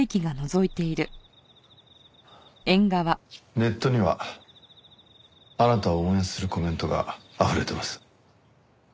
ネットにはあなたを応援するコメントがあふれてます。